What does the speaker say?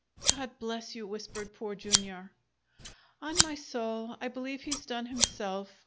"God bless you!" whispered Poor Jr. "On my soul, I believe he's done himself.